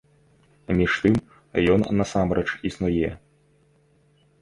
Між тым, ён насамрэч існуе.